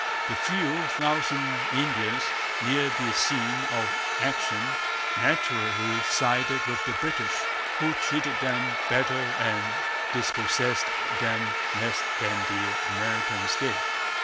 The few thousand Indians near the scene of action naturally sided with the British, who treated them better and dispossessed them less than the Americans did.